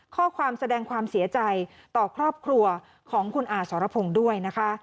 ข้อความแสดงความเสียใจต่อครอบครัวของคุณอาสรพงศ์ด้วยนะคะ